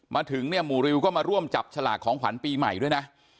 มาถึงเนี่ยหมู่ริวก็มาร่วมจับฉลากของขวัญปีใหม่ด้วยนะ